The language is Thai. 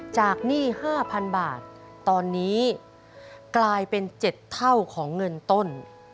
หนี้๕๐๐๐บาทตอนนี้กลายเป็น๗เท่าของเงินต้น